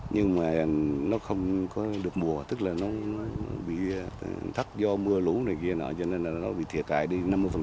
nhưng mà nó không có được mùa tức là nó bị thấp do mưa lũ này kia nọ cho nên là nó bị thiệt hại đi năm mươi